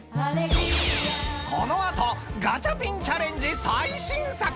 ［この後ガチャピンチャレンジ最新作］